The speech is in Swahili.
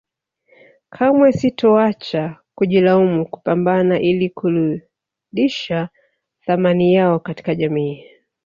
Kamwe sitoacha kujilaumu kupambana ili kuludisha thamani yao katika jamii